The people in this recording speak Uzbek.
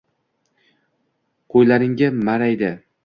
Qoʻylargina maʼraydi